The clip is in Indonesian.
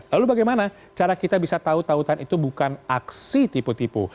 lalu bagaimana cara kita bisa tahu tautan itu bukan aksi tipu tipu